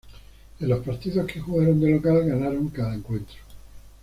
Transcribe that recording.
En los partidos que jugaron de local, ganaron cada encuentro.